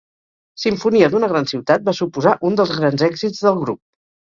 Simfonia d'una gran ciutat va suposar un dels grans èxits del grup.